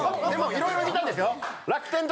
でもいろいろ見たんですよ。